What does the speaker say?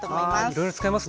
いろいろ使えますね。